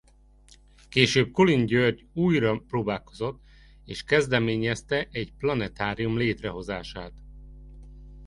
Később Kulin György újra próbálkozott és kezdeményezte egy planetárium létrehozását.